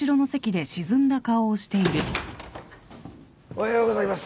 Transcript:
・・おはようございます。